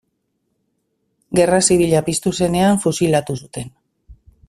Gerra Zibila piztu zenean, fusilatu zuten.